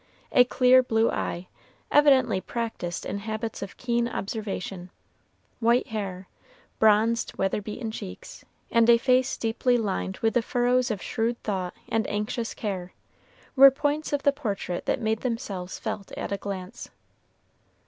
A clear blue eye, evidently practiced in habits of keen observation, white hair, bronzed, weather beaten cheeks, and a face deeply lined with the furrows of shrewd thought and anxious care, were points of the portrait that made themselves felt at a glance.